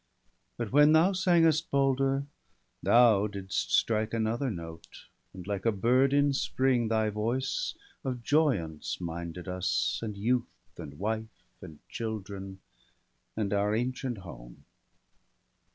But when thou sangest, Balder, thou didst strike Another note, and, like a bird in spring. Thy voice of joyance minded us, and youth. And wife, and children, and our ancient home.